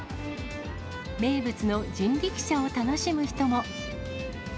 名物の人力車を楽しむ人も。